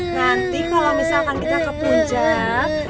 nanti kalau misalkan kita ke puncak